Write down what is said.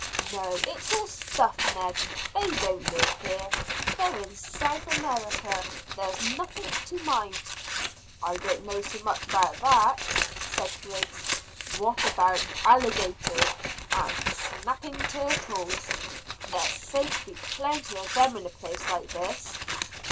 No, it's all stuff, Ned. They don't live here; they're in South America. There's nothing to mind." "I don't know so much about that," said Griggs. "What about alligators and snapping turtles? There's safe to be plenty of them in a place like this."